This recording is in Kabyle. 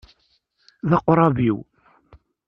D aqrab-iw.